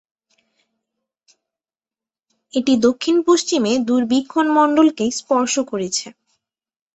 এটি দক্ষিণ-পশ্চিমে দূরবীক্ষণ মণ্ডল কে স্পর্শ করেছে।